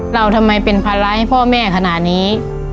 เราทำไมเป็นภาระให้พ่อแม่ขนาดนี้